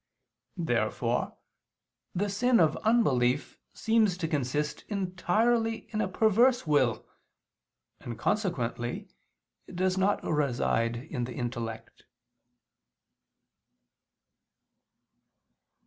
Therefore the sin of unbelief seems to consist entirely in a perverse will: and, consequently, it does not reside in the intellect.